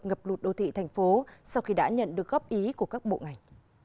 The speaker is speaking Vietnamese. ngập lụt đô thị tp hcm sau khi đã nhận được góp ý của các bộ ngành